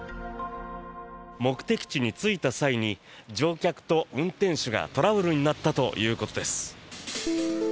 目的地に着いた際に乗客と運転手がトラブルになったということです。